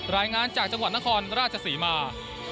รายงานจากจังหวัดนครราชศรีมา